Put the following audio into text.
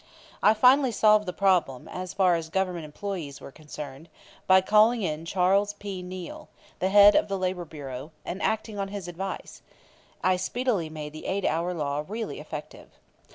I finally solved the problem, as far as Government employees were concerned, by calling in Charles P. Neill, the head of the Labor Bureau; and acting on his advice, I speedily made the eight hour law really effective.